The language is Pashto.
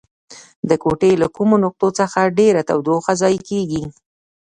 د کوټې له کومو نقطو څخه ډیره تودوخه ضایع کیږي؟